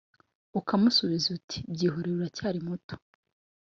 Ukamusubiza uti byihorere uracyari muto